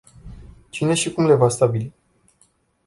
Cine și cum le va stabili?